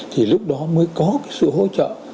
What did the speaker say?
thì lúc đó mới có sự hỗ trợ